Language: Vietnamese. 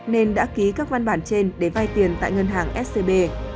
nên đã ký các văn bản trên để vay tiền tại ngân hàng scb